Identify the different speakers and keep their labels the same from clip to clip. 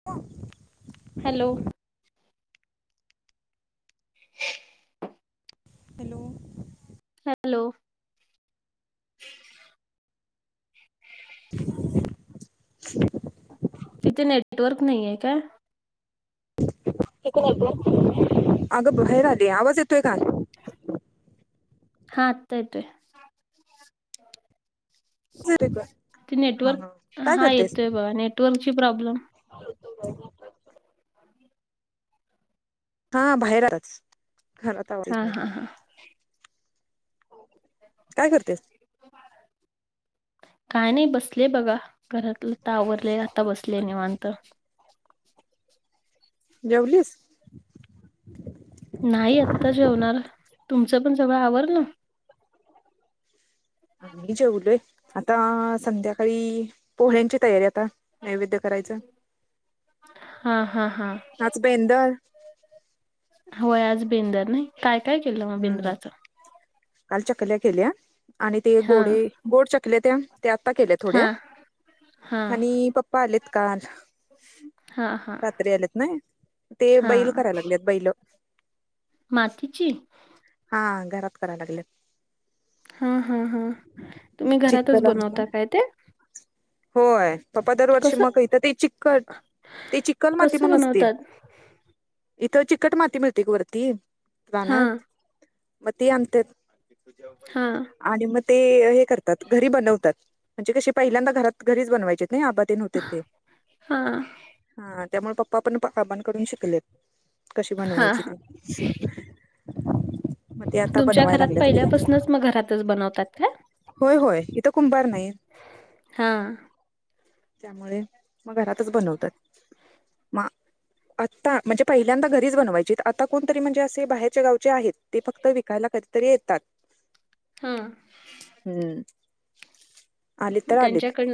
Speaker 1: [inaudible]
Speaker 2: Hello. [inaudible]
Speaker 1: Hello.
Speaker 2: Hello.
Speaker 1: [inaudible]
Speaker 2: तिथे network नाहीेये का?
Speaker 1: तिथे नेटवर्क नाहीये का? अगं बाहेर आली आवाज येतोय का?
Speaker 2: हा आता येतोय.
Speaker 1: येतोय का
Speaker 2: तिथे
Speaker 1: हा
Speaker 2: नेटवर्क,
Speaker 1: हा काय
Speaker 2: हा
Speaker 1: करतेस
Speaker 2: येतोय बघा नेटवर्कची प्रॉब्लेम.
Speaker 1: [unintelligible] हा बाहेरच घरात आवाज येत
Speaker 2: हा
Speaker 1: नाही
Speaker 2: हा हा.
Speaker 1: काय करतेस?
Speaker 2: काय नाही बसलेय बघा. घरातलं आता आवरलंय आता बसलेय निवांत.
Speaker 1: जेवलीस?
Speaker 2: नाही आत्ता जेवणार. तुमचं पण सगळं आवरलं?
Speaker 1: आम्ही जेवलोय. आता संध्याकाळी पोळ्यांची तयारी आता नैवेद्य करायचं.
Speaker 2: हा हा हा.
Speaker 1: आज बेंदर.
Speaker 2: होय, आज बेंदर ना. काय काय केलं मग
Speaker 1: हम्म
Speaker 2: बिंद्राचं?
Speaker 1: काल चकल्या केल्या. आणि ते
Speaker 2: हा
Speaker 1: गोडे गोड चकल्या त्या, ते आत्ता केल्या थोड्या.
Speaker 2: हा हा
Speaker 1: आणि पप्पा आलेत काल
Speaker 2: हा हा
Speaker 1: रात्री आल्यात ना, ते
Speaker 2: हा
Speaker 1: बैल करायला लागलेत, बैल.
Speaker 2: मातीची?
Speaker 1: हा, घरात करायला लागलेत.
Speaker 2: हा हा हा, तुम्ही घरातच
Speaker 1: चिक्कल आमच्या
Speaker 2: बनवता काय ते?
Speaker 1: होय, पप्पा दरवर्षी
Speaker 2: कसं
Speaker 1: मग इथ ते चिक्कट ते चिकण माती
Speaker 2: कसं
Speaker 1: म्हणून असते
Speaker 2: बनवतात
Speaker 1: इथं चिकट माती मिळते ग वरती,
Speaker 2: हा
Speaker 1: राणात. मग ती आणतेत.
Speaker 2: हा
Speaker 1: आणि मग ते हे करतात घरी बनवतात म्हणजे कशी पहिल्यांदा घरात घरीच बनवायचेत नई, आबा तेन होते ते.
Speaker 2: हा
Speaker 1: हा त्यामुळे पप्पा पण आबांकडून शिकलेत, कशी
Speaker 2: हां,
Speaker 1: बनवायची
Speaker 2: हां.
Speaker 1: ते. [inaudible]
Speaker 2: तुमच्या
Speaker 1: बनवाय
Speaker 2: घरात
Speaker 1: लागल्यात
Speaker 2: पहिल्यापासनच मग घरातच बनवतात का?
Speaker 1: होय होय, इथं कुंभार नाही.
Speaker 2: हा.
Speaker 1: त्यामुळे मग घरातच बनवतात. आता म्हणजे पहिल्यांदा घरीच बनवायचीत. आता कोणतरी म्हणजे असे बाहेरच्या गावचे आहेत. ते फक्त विकायला कधीतरी येतात.
Speaker 2: हां.
Speaker 1: हा आली तर आलीत.
Speaker 2: पण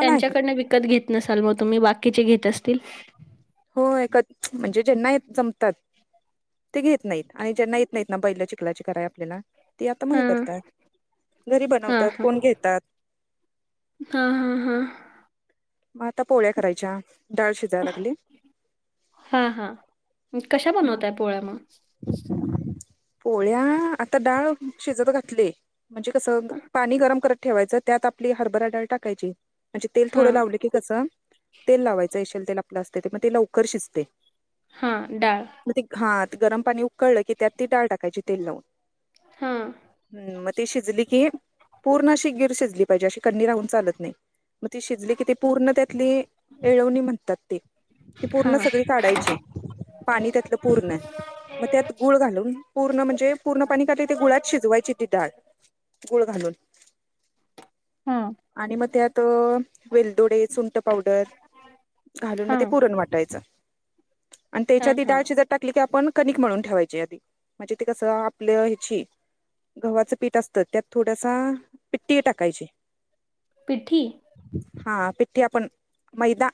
Speaker 2: त्यांच्याकडन विकत घेत नसाल मग तुम्ही, बाकीचे घेत असतील.
Speaker 1: होय, एक म्हणजे ज्यांना जमतात. ते घेत नाहीत आणि ज्यांना येत नाहीत ना, बैल चिखलाची करायला आपल्याला ती आता म हे
Speaker 2: हां,
Speaker 1: करतात, घरी बनवतात, कोण घेतात.
Speaker 2: हा हा हा.
Speaker 1: मग आता पोळ्या करायच्या, डाळ शिजाय लागली.
Speaker 2: हा हा, कशा
Speaker 1: मग
Speaker 2: बनवताय पोळ्या मग?
Speaker 1: पोळ्या आता डाळ शिजत घातलीय. म्हणजे कसं पाणी गरम करत ठेवायचं, त्यात आपली हरभरा डाळ टाकायची म्हणजे तेल थोडं
Speaker 2: हां,
Speaker 1: लावले कस तेल लावायचं. हेशल तेल आपलं असते ते, मग ते लवकर शिजते.
Speaker 2: हा, डाळ
Speaker 1: मग ते हा गरम पाणी उकळलं की, त्यात ती डाळ टाकायची तेल लावून
Speaker 2: हां,
Speaker 1: मग ती शिजली की, पूर्ण अशी गीर शिजली पाहिजे, अशी कंनी राहून चालत नाही. मग ते शिजले की, ती पूर्ण त्यातली एळवणी म्हणतात ते, ती पूर्ण
Speaker 2: हां.
Speaker 1: सगळी काढा यची. पाणी त्यातलं पूर्ण मग त्यात गुळ घालून पूर्ण म्हणजे पूर्ण पाणी काढले ते गुळात शिजवायची ती डाळ. गुळ घालून
Speaker 2: हां.
Speaker 1: आणि मग त्यात वेलदोडे, सुंट पावडर घालून मग
Speaker 2: हां,
Speaker 1: ते पुरण वाटायचं. आणि तेच्यात
Speaker 2: हां,
Speaker 1: ती
Speaker 2: हां.
Speaker 1: डाळ शिजत टाकली की, आपण कनिक म्हणून ठेवायचे आधी म्हणजे ते कस आपल्या ह्याची गव्हाच पीठ असतं त्यात थोडसा पिट्टी टाकायची.
Speaker 2: पिठ्ठठी?
Speaker 1: हा, पिठ्ठी आपण, मैदा.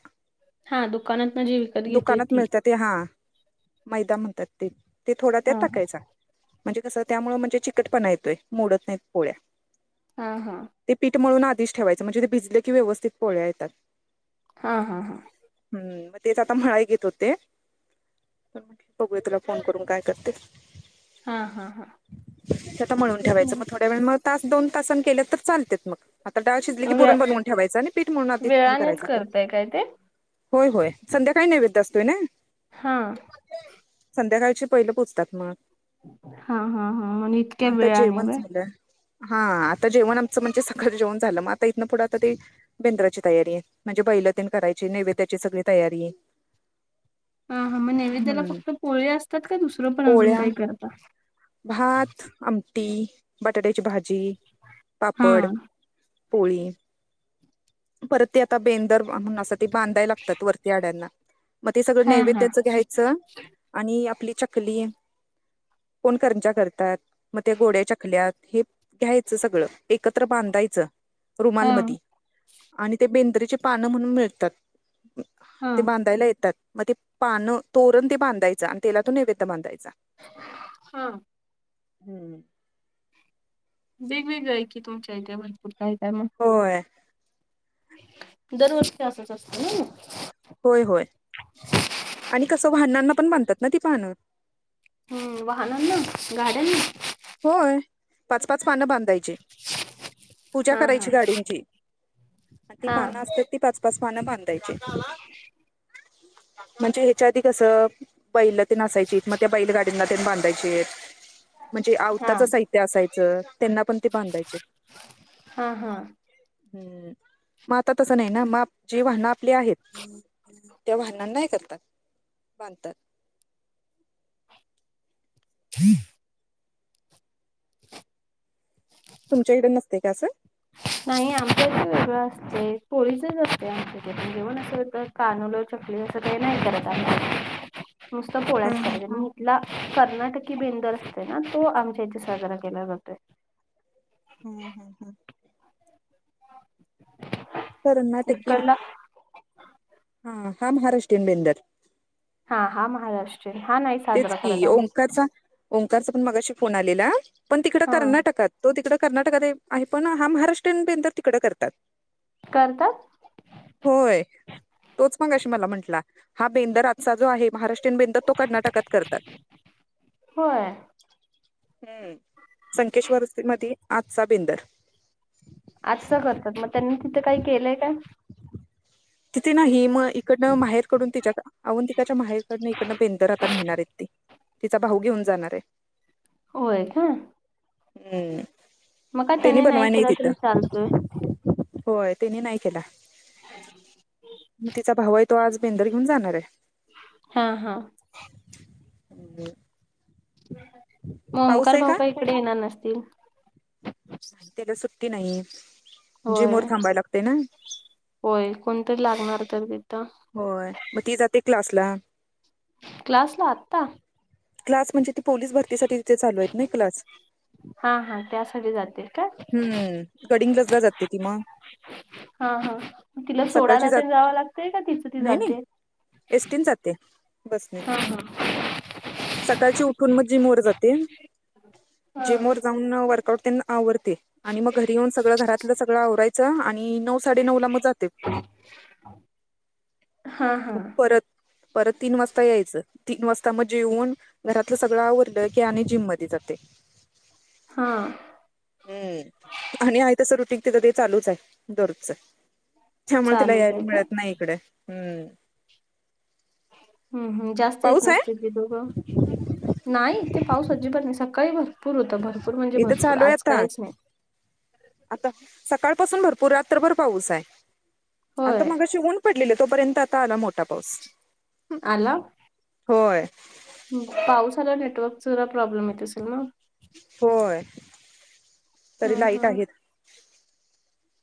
Speaker 2: हा दुकानात न, जी विकत घेतोय
Speaker 1: दुकानात
Speaker 2: ती.
Speaker 1: मिळतात ते हा, मैदा म्हणतात ते, ते थोडा त्यात
Speaker 2: हां,
Speaker 1: टाकायचा. म्हणजे कसं, त्यामुळे म्हणजे, चिकटपणा येतोय, मोडत नाही पोळ्या.
Speaker 2: हा-हा.
Speaker 1: ते पीठ मळून आधीच ठेवायचं. म्हणजे ते भिजले कि व्यवस्थित पोळ्या येतात.
Speaker 2: हा-हा-हा.
Speaker 1: हम्म, मग तेच आता मळाय घेत होते. तर म्हणलं बघूया तुला फोन करून काय करते.
Speaker 2: हां, हां, हां.
Speaker 1: ते आता मळून
Speaker 2: तेच
Speaker 1: ठेवायचं,
Speaker 2: म्हण
Speaker 1: मग थोड मग तास, दोन तासानं केल तर चालत म, आता डाळ शिजली की,
Speaker 2: वेळ
Speaker 1: पुरण बनवून ठेवायच. पिट मळून आधी हे
Speaker 2: वेळानेच
Speaker 1: करायचं आता,
Speaker 2: करताय काय ते?
Speaker 1: होय-होय संध्याकाळी नैवेद असतोय नी.
Speaker 2: हा.
Speaker 1: संध्याकाळची पहिले पोचतात मग.
Speaker 2: हा-हा-हा, म
Speaker 1: मग
Speaker 2: इतके
Speaker 1: आता
Speaker 2: वेळा ने
Speaker 1: जेवण
Speaker 2: व्हय.
Speaker 1: झालं. हा, आता जेवण आमचं म्हणजे सगळं जेवण झालं. मग आता इथन पुढं आता ते बेंद्राची तयारी, म्हणजे बैलतेन करायची, नैवेद्याची सगळी तयारी.
Speaker 2: हा-हा, मग नैवेद्याला
Speaker 1: हम्म
Speaker 2: फक्त पोळे असतात का? दुसरं पण अजून
Speaker 1: पोळ्या,
Speaker 2: काही करता.
Speaker 1: भात, आमटी, बटाट्याची भाजी,
Speaker 2: हा.
Speaker 1: पापड. पोळी, परत ते आता बेंदर, म्हणून ते बांधाय लागतात वरती आड्यांना. मग ते सगळं
Speaker 2: हा हा
Speaker 1: नैवेद्याचं घ्यायचं, आपली चकली कोण करंजा करतात. मग ते गोड्या चकल्यात हे घ्यायचं सगळं, एकत्र बांधायचं रुमाल
Speaker 2: हा
Speaker 1: मधी, आणि ते बेंद्रीचे पानं म्हणून मिळतात.
Speaker 2: हा
Speaker 1: ते बांधायला येतात. मग ते पानं, तोरण ते बांधायचं, आणि तेलातून नैवेद बांधायचा.
Speaker 2: हा.
Speaker 1: हम्म.
Speaker 2: वेगवेगळं आहे की, तुमच्या इथे भरपूर काय-काय मग.
Speaker 1: होय.
Speaker 2: दरवर्षी असच असत ना म.
Speaker 1: होय-होय, आणि कसं वाहनांना पण बांधतात ना ती पान.
Speaker 2: हम्म, वाहनांना, गाड्यांना.
Speaker 1: होय, पाच-पाच पानं बांधायची. पूजा
Speaker 2: हा हा.
Speaker 1: करायची गाडीची, आणि ती
Speaker 2: हा
Speaker 1: पान असतात ती पाच पाच पान बांधायची.
Speaker 2: [inaudible]
Speaker 1: म्हणजे ह्याच्या आधी कसं, बैल तेन असायची, मग त्या बैलगाडींना तेन बांधायचे. म्हणजे
Speaker 2: हा
Speaker 1: आवताचं साहित्य असायचं, त्यांना पण ते बांधायचे.
Speaker 2: हा हा.
Speaker 1: हम्म, मग आता तसं नाही ना, म जे वाहन आपली आहेत. त्या वाहनांना हे करतात. बांधतात.
Speaker 2: [inaudible]
Speaker 1: तुमच्या इकडे नसते काय, असं.
Speaker 2: नाही, आमच्याच वेगळं असते, पोळीचच असते आमच्याकडपण जेवण असं होतात. कानूल, चकली असं काही नाही करत आहे. आम्ही नुसतं पोळ्याच करतोय आम्ही. ला, कर्नाटकी बेंदूर असतोय ना, तो आमच्या इथे साजरा केला जातोय.
Speaker 1: हम हम हम कर्नाटकी,
Speaker 2: इकडला
Speaker 1: हा हा महाराष्ट्रीयन बेंदर
Speaker 2: हा हा महाराष्ट्रीय हा नाही,
Speaker 1: तेच
Speaker 2: साजरा
Speaker 1: की
Speaker 2: करायचा आम्ही
Speaker 1: ओंकारचा ओंकारचा पण मगाशी फोन आलेला पण, तिकड
Speaker 2: हा
Speaker 1: कर्नाटकात तो तिकडं कर्नाटकात आहे पण, हा महाराष्ट्रीयन बेंदर तिकडं करतात
Speaker 2: करतात
Speaker 1: होय, तोच मगाशी मला म्हंटला हा बेंदर आजचा जो आहे महाराष्ट्र बेंदर तो कर्नाटकात करतात
Speaker 2: होय
Speaker 1: हम् संकेश्वरमध्ये आजचा बेंदर,
Speaker 2: आजच करतात मग त्यांनी तिथं काही केलंय काय
Speaker 1: तिथे नाही मग इकडनं माहेरकडून तिच्याकडे अवंतिकाच्या माहेरकडन इकडनं बेंदर आता नेणार आहेत ते, तिचा भाऊ घेऊन जाणार आहे,
Speaker 2: होय काय
Speaker 1: हम्म,
Speaker 2: मग
Speaker 1: तेनी
Speaker 2: त्याने
Speaker 1: बनवाय नाही
Speaker 2: केला तरी
Speaker 1: तिथं
Speaker 2: चालतोय
Speaker 1: होय, त्यांनी नाही केला मग तिचा भाऊ आहे तो आज बेंदर घेऊन आहे
Speaker 2: हा हा मग
Speaker 1: पाऊस
Speaker 2: ओमकार
Speaker 1: आहे का
Speaker 2: भाऊका इकडे येणार नसतील
Speaker 1: त्याला सुट्टी नाही,
Speaker 2: होय
Speaker 1: जिमवर थांबायला लागते ना
Speaker 2: होय, कोणतरी लागणार तर तिथ
Speaker 1: होय, मग ती जाते क्लास ला
Speaker 2: क्लासला आत्ता
Speaker 1: क्लास म्हणजे ती, पोलीस भरतीसाठी तिथ चालू आहेत ना क्लास
Speaker 2: हा हा त्यासाठी जाते काय
Speaker 1: हम्म, गडिंग्लजला जाते ती मग
Speaker 2: हा हा तिला
Speaker 1: सकाळची
Speaker 2: सोडायला तेन
Speaker 1: जात
Speaker 2: जावं लागतय का तिचं ती
Speaker 1: नाही नाही
Speaker 2: जाते
Speaker 1: एसटीन जाते बसने
Speaker 2: हा
Speaker 1: सकाळची उठून मग, जिम वर जाते,
Speaker 2: हा
Speaker 1: जिम वर जाऊन वर्कआउट तेन आवरते आणि मग घरी येऊन सगळं घरातलं सगळं आवरायचं आणि नऊ साडे नऊ ला मग जाते
Speaker 2: हा हा
Speaker 1: मग परत, परत तीन वाजता यायचं तीन वाजता म जेऊन घरातलं सगळं आवरलं की आणि जिम मध्ये जातय.
Speaker 2: हा
Speaker 1: हम्म आणि आहे तसं रुटींग तिथं ते चालूच आहे दररोजच त्यामुळ तिला
Speaker 2: चालू
Speaker 1: यायला
Speaker 2: आहे का
Speaker 1: मिळत नाही इकड हम्म
Speaker 2: हम्म हम् जास्त येत
Speaker 1: पाऊस आहे?
Speaker 2: नसते ती दोघं. नाही, तेे पाऊस अजिबात नाही सकाळी भरपूर होता भरपूर म्हणजे
Speaker 1: इथं
Speaker 2: भरपूर
Speaker 1: चालू आहे
Speaker 2: आज
Speaker 1: आता
Speaker 2: काहीच नाही
Speaker 1: आता सकाळ पाासून भरपूर रात्रभर पाऊस आहे. आता
Speaker 2: होय
Speaker 1: मगाशी ऊन पडलेल तोपर्यंत आता आला मोठा पाऊस,,
Speaker 2: आला?
Speaker 1: होय
Speaker 2: पाऊस आल्याव नेटवर्कच जरा प्रॉब्लेम येत असेल ना?
Speaker 1: होय,,
Speaker 2: ह
Speaker 1: तरी लाईट आहेत.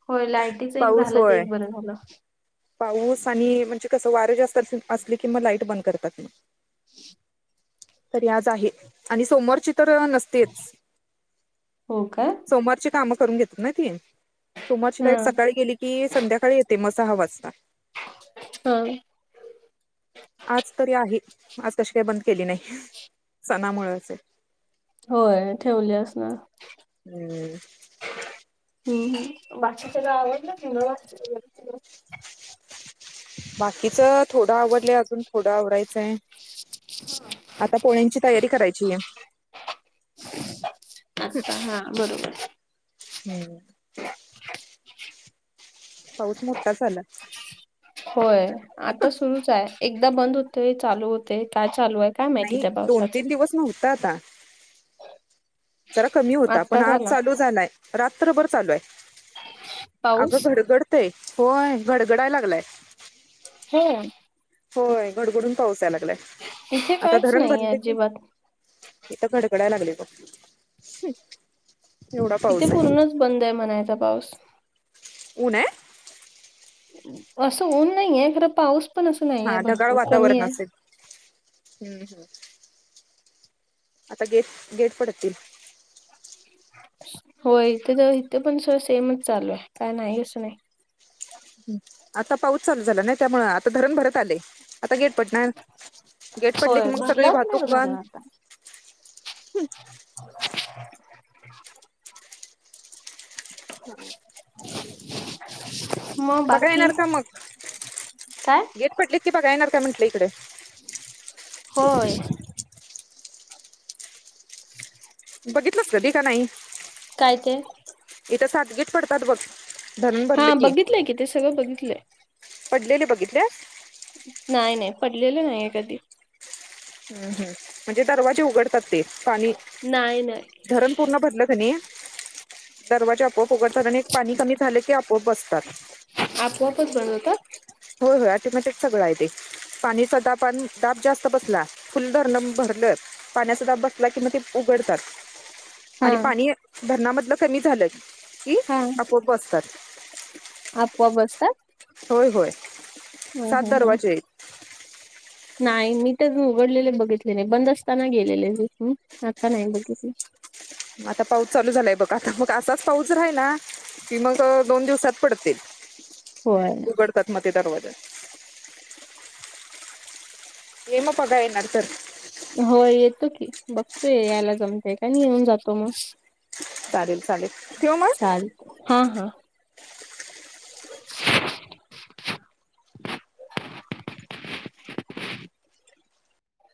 Speaker 2: हो लायटीच एक
Speaker 1: पाऊस
Speaker 2: झालं ते
Speaker 1: होय.
Speaker 2: एक बरं झालं
Speaker 1: पाऊस, आणि म्हणजे कसं वारं जास्त असली कि म लाईट बंद करतात तरी आज आहे आणि सोमवारची तर नसतेच.
Speaker 2: हो काय
Speaker 1: सोमवारची काम करून घेतात ना ती, सोमवारची
Speaker 2: हा
Speaker 1: लाईट सकाळी गेली की की संध्याकाळी येते मग सहा वाजता.
Speaker 2: हं
Speaker 1: आज तरी आहे. आज कशी काय बंद केली नाही? सणामुळचं हय.
Speaker 2: होय, ठेवली असणार.
Speaker 1: हम्म्म.
Speaker 2: हम्म हम्म बाकी सगळं आवरलं. [unintelligible]
Speaker 1: बाकीच थोडं आवरलंय अजून थोडं आवरायचंय. आता पोळ्यांची तयारी करायचीया.
Speaker 2: आता हा बरोबर.
Speaker 1: हम्म. पाऊस मोठाच आला.
Speaker 2: होय, आता सुरूच आहे एकदा बंद होतय, चालू होतय काय चालू आहे काय माहिती
Speaker 1: नाही.
Speaker 2: त्या
Speaker 1: दोन,
Speaker 2: पावसाचा
Speaker 1: तीन दिवस नव्हता आता. जरा कमी होता. पण
Speaker 2: आत्ताच
Speaker 1: आज
Speaker 2: आला
Speaker 1: चालू झालाय. रात्रभर चालू आहे. अगं
Speaker 2: पाऊस
Speaker 1: घडगडतंय. होय, गडगडाय लागलाय.
Speaker 2: [unintelligible]
Speaker 1: होय, गडगडून पाऊस यायला लागलाय.
Speaker 2: इथे
Speaker 1: आता
Speaker 2: काहीच
Speaker 1: धरण
Speaker 2: नाही
Speaker 1: भरले की
Speaker 2: अजिबात
Speaker 1: इथं घडघडाय लागलय बघ. [unintelligible] पाऊस
Speaker 2: इथे
Speaker 1: आहे.
Speaker 2: पूर्णच बंद आहे म्हनायचा पाऊस.
Speaker 1: ऊन हय?
Speaker 2: असं ऊन नाहीये, खरं पाऊस पण असं नाही आहे
Speaker 1: हा ढगाळ
Speaker 2: भरपूर कमी
Speaker 1: वातावरण
Speaker 2: आहे.
Speaker 1: असेल. हम्म, हम्म. आता गेट, गेट पडतील.
Speaker 2: होय, त्याज्या इथे पण सो सेमच चालू हाय, काय नाही असं नाय.
Speaker 1: आता पाऊस चालू झाला ना, त्यामुळं आता धरण भरत आलय. आता गेट पडणार. गेट पडले की
Speaker 2: होय
Speaker 1: मग सगळी
Speaker 2: भरलाच नाही
Speaker 1: वाहतूक
Speaker 2: धरण
Speaker 1: बंद.
Speaker 2: आता.
Speaker 1: [inaudible]
Speaker 2: मग
Speaker 1: बघाय
Speaker 2: बाकी
Speaker 1: येणार का मग?
Speaker 2: काय?
Speaker 1: गेट पडली की बघाय येणार का म्हंटलं इकडे?
Speaker 2: होय. [unintelligible]
Speaker 1: बघितलंस कधी का नाही?
Speaker 2: काय ते?
Speaker 1: इथं सातगीद पडतात बघ. धरण भरले
Speaker 2: हां,
Speaker 1: की
Speaker 2: बघितलंय कि ते सगळं बघितलंय.
Speaker 1: पडलेले बघितलेस.
Speaker 2: नाय, नाय पडलेलं नाहीये कधी.
Speaker 1: हम, हम म्हणजे दरवाजे उघड ते पाणी
Speaker 2: नाही नाही
Speaker 1: धरण पूर्ण भरलं कि नई दरवाजे आपोआप उघडतात आणि एक पाणी कमी झाले की आपोआप बसतात.
Speaker 2: आपोआपच बनवतात.
Speaker 1: होय, होय ऑटोमॅटिक सगळं आहे ते. पाणीचासदापान दाब जास्त बसला फुल धरण भरलं. पाण्याचा दाब बसला की मगं ते उघडतात.
Speaker 2: हा
Speaker 1: आणि पाणी धरणामधलं कमी झालं की
Speaker 2: हा
Speaker 1: आपोआप बसतात.
Speaker 2: आपोआप बसतात.
Speaker 1: होय-होय,
Speaker 2: हम्म
Speaker 1: सात
Speaker 2: हम्म हम्म.
Speaker 1: दरवाजे आहेत.
Speaker 2: नाही, मी तर उघडलेले बघितले नाही, बंद असताना गेलेले, आता नाही बघितले.
Speaker 1: आता पाऊस चालू झालाय बघ. आता मग असाच पाऊस राहिला की मग दोन दिवसांत पडतील,
Speaker 2: होय.
Speaker 1: उघडतात मग ते दरवाजा. ये मग बघाय येणार तर?
Speaker 2: होय, येतो की. बघतोय, यायला जमतेय का नाही. येऊन जातो मग.
Speaker 1: चालेल-चालेल, ठिव मग.
Speaker 2: हा-हा.